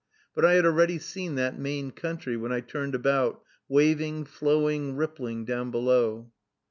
But I had already seen that Maine country when I turned about, waving, flowing, rippling, down below.